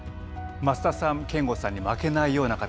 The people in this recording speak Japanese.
松田さん、憲剛さんに負けないように。